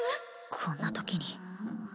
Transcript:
こんな時に